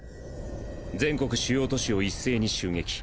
全国主要都市を一斉に襲撃。